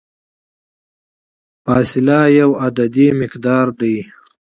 فاصله یو عددي مقدار دی.